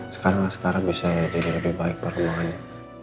sekarang lah sekarang bisa jadi lebih baik perumahannya